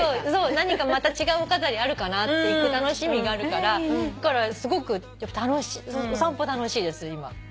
何かまた違うお飾りあるかなって行く楽しみがあるからだからすごくお散歩楽しいです今。